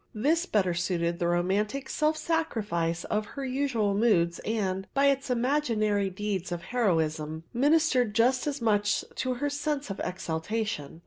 This better suited the romantic self sacrifice of her usual moods and, by its imaginary deeds of heroism, ministered just as much to her sense of exaltation.